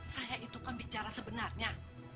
saya itu kan bicara sebenarnya